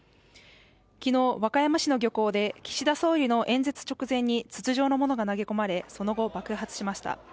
昨日、和歌山市の漁港で岸田総理の演説直前に筒状のものが投げ込まれ、その後爆発しました。